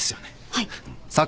はい。